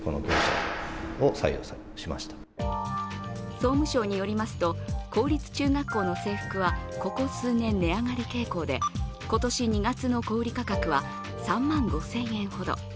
総務省によりますと、公立中学校の制服はここ数年、値上がり傾向で、今年２月の小売価格は３万５０００円ほど。